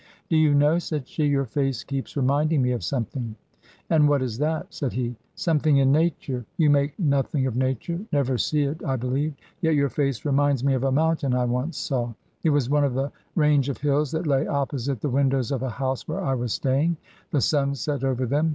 " Do you know," said she, " your face keeps remind ing me of something." " And what is that ?" said he. " Something in nature. You make nothing of nature — never see it, I believe. Yet your face reminds me of a mountain I once saw. It was one of a range of hills that lay opposite the windows of a house where I was staying. The sun set over them.